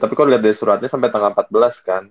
tapi kalo liat di suratnya sampe tanggal empat belas kan